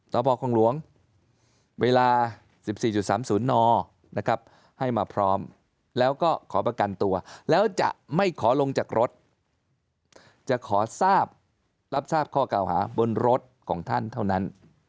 พ่อคงหลวงเวลา๑๔๓๐นนะครับให้มาพร้อมแล้วก็ขอประกันตัวแล้วจะไม่ขอลงจากรถจะขอทราบรับทราบข้อเก่าหาบนรถของท่านเท่านั้น